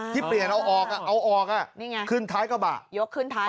ที่เปลี่ยนเอาออกอ่ะเอาออกอ่ะนี่ไงขึ้นท้ายกระบะยกขึ้นท้ายค่ะ